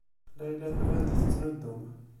Layla tban-d tettnuddum.